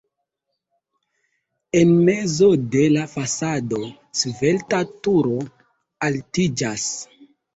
En mezo de la fasado svelta turo altiĝas.